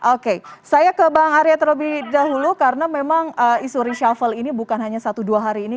oke saya ke bang arya terlebih dahulu karena memang isu reshuffle ini bukan hanya satu dua hari ini